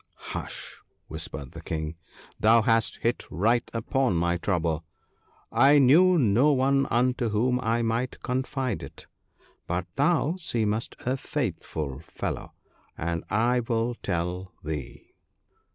1 Hush !' whispered the King, ' thou hast hit right upon my trouble. I knew no one unto whom I might confide it ; but thou seemest a faithful fellow, and I will tell thee.